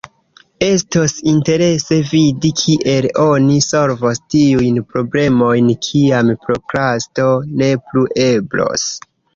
Estos interese vidi kiel oni solvos tiujn problemojn, kiam prokrasto ne plu eblos.